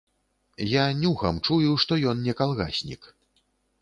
Я нюхам чую, што ён не калгаснік.